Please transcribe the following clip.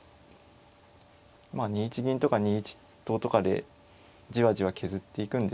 まあ２一銀とか２一ととかでじわじわ削っていくんですかね。